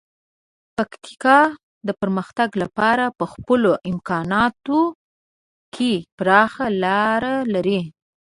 پکتیکا د پرمختګ لپاره په خپلو امکاناتو کې پراخه لاره لري.